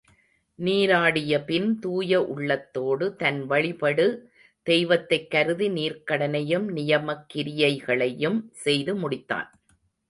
நீராடியபின் தூய உள்ளத்தோடு தன் வழிபடு தெய்வத்தைக் கருதி நீர்க்கடனையும் நியமக்கிரியைகளையும் செய்து முடித்தான்.